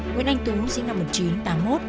nguyễn anh tú sinh năm một nghìn chín trăm tám mươi một